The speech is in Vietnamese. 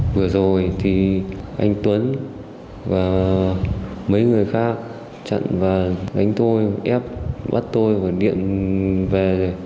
vừa rồi thì anh tuấn và mấy người khác chặn vào gánh tôi ép bắt tôi và điện về